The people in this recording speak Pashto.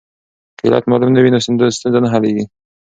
که علت معلوم نه وي نو ستونزه نه حلیږي.